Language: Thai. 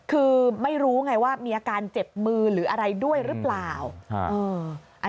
คือไม่รู้ไงว่ามีอาการเจ็บมือหรืออะไรด้วยหรือเปล่า